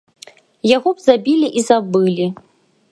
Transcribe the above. Яго б забілі і забылі.